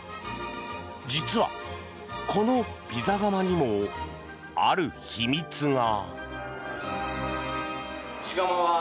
実は、このピザ窯にもある秘密が。